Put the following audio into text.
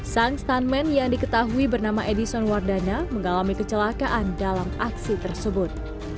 sang stuntman yang diketahui bernama edison wardana mengalami kecelakaan dalam aksi tersebut